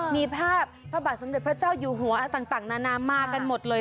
มีภาพพระบาทสมเด็จพระเจ้าอยู่หัวต่างนานามากันหมดเลย